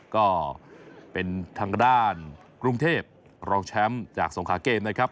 ก็เป็นทางด้านกรุงเทพรองแชมป์จากสงขาเกมนะครับ